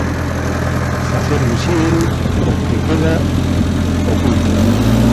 'Facer visíbel o que queda oculto'.